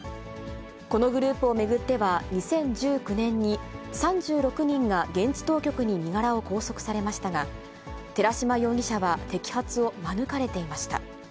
このグループを巡っては、２０１９年に３６人が現地当局に身柄を拘束されましたが、寺島容疑者は摘発を免れていました。